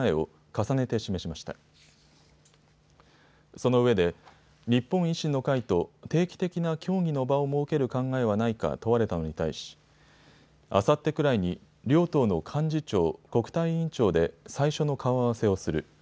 そのうえで日本維新の会と定期的な協議の場を設ける考えはないか問われたのに対しあさってくらいに両党の幹事長、国対委員長で最初の顔合わせをする。